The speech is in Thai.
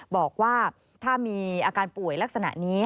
บอกว่าถ้ามีอาการป่วยลักษณะนี้